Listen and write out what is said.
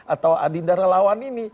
atau adindara lawan ini